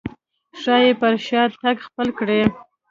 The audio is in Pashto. ښايي پر شا تګ خپل کړي.